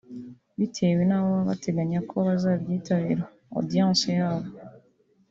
bitewe n’abo baba bateganya ko bazabyitabira (Audience yabo)